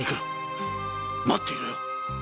待っていろよ！